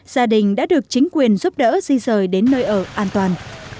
gia đình đã được chính quyền giúp đỡ di rời đến nơi ở an toàn